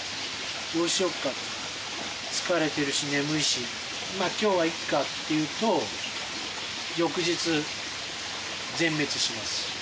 「どうしようか」とか「疲れてるし眠いしまあ今日はいいか」っていうと翌日全滅します。